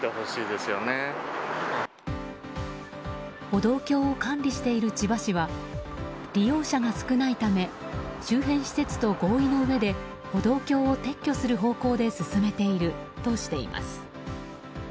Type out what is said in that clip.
歩道橋を管理している千葉市は利用者が少ないため周辺施設と合意の上で歩道橋を撤去する方向で進めているとしています。